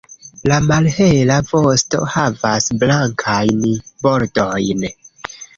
La malhela vosto havas blankajn bordojn.